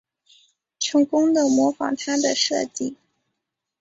成功的模仿他的设计